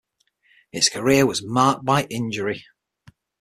His career was marked by injury.